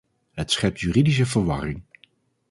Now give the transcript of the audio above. Het schept juridische verwarring.